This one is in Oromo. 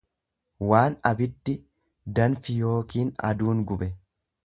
waan abiddi, danfi yookiin aduun gube.